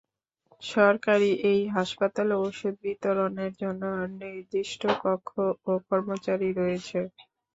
সরকারি এই হাসপাতালে ওষুধ বিতরণের জন্য নির্দিষ্ট কক্ষ ও কর্মচারী রয়েছে।